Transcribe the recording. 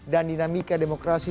dan dinamika demokrasi